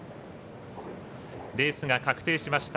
レースが確定しました。